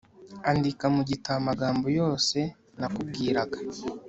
Andika mu gitabo amagambo yose nakubwiraga.